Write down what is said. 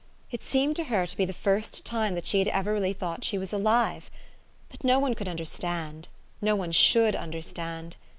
It seemed to her to be the first time that she had ever really thought she was alive. But no one could understand : no one should under stand.